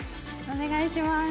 お願いします。